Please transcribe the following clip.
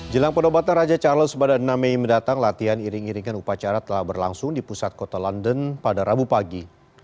jelang penobatan raja charles pada enam mei mendatang latihan iring iringan upacara telah berlangsung di pusat kota london pada rabu pagi